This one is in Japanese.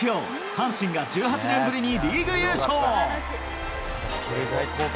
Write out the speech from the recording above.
阪神が１８年ぶりにリーグ優勝。